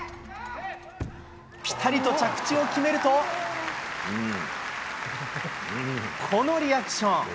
ぴたりと着地を決めると、このリアクション。